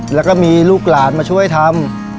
แล้วก็มีลูกหลานมาช่วยทำ